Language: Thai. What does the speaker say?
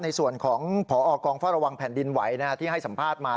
ในส่วนของพอกองเฝ้าระวังแผ่นดินไหวที่ให้สัมภาษณ์มา